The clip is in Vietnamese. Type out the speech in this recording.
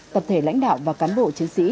tập thể lãnh đạo và cán bộ chiến sĩ